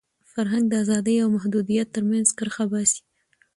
فرهنګ د ازادۍ او محدودیت تر منځ کرښه باسي.